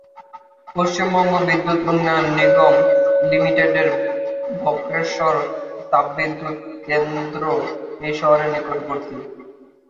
পশ্চিমবঙ্গ বিদ্যুৎ উন্নয়ন নিগম লিমিটেডের বক্রেশ্বর তাপবিদ্যুৎ কেন্দ্র এই শহরের নিকটবর্তী।